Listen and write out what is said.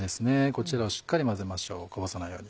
こちらをしっかり混ぜましょうこぼさないように。